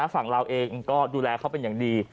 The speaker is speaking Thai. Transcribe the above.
ฝั่งเราเองก็ดูแลเขาเป็นอย่างดี